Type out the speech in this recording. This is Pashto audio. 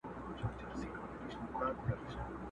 مسافر مه وژنې خاونده٫